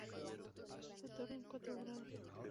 Se otorga en cuatro grados.